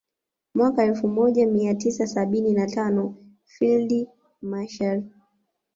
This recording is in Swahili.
Mwaka elfu moja mia tisa sabini na tano Field Marshal